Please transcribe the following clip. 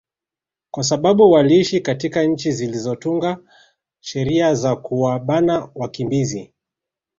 kwa sababu waliiishi katika nchi zilizotunga sheria za kuwabana wakimbizi